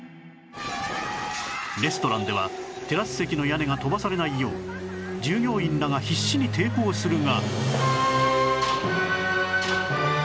レストランではテラス席の屋根が飛ばされないよう従業員らが必死に抵抗するが